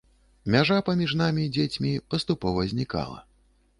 Мяжа паміж намі, дзецьмі, паступова знікала.